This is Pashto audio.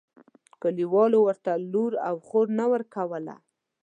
کلیوالو ورته لور او خور نه ورکوله.